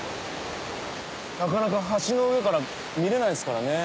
なかなか橋の上から見れないっすからね。